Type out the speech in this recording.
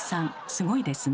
すごいですね。